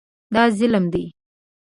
دا ظلم دی.